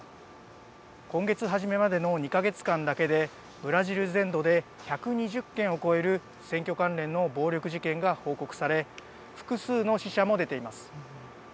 今月初めまでの２か月間だけでブラジル全土で１２０件を超える選挙関連の暴力事件が報告され複数の死者も出ています。